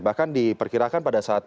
bahkan diperkirakan pada saat